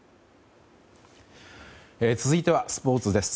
続いてはスポーツです。